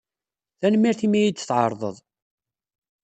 Tanemmirt imi ay iyi-d-tɛerḍeḍ.